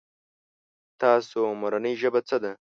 تاسو مورنۍ ژبه څه ده ؟